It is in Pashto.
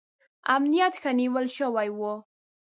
امنیت ښه نیول شوی و.